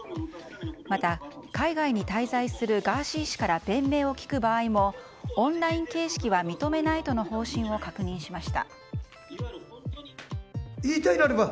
また、海外に滞在するガーシー氏から弁明を聞く場合もオンライン形式は認めないとの方針を確認しました。